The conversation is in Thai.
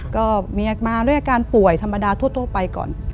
ก็มีอาการป่วยธรรมดาทั่วไปก่อน